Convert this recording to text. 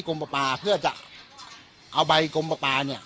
ปลาปลาเพื่อจะเอาใบกลมปลาปลาเนี่ย